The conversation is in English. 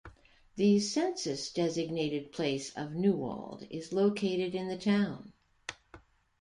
The census-designated place of Newald is located in the town.